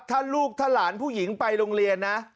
ถ้าลูกถ้าหลานผู้หญิงไปโรงเรียนนะ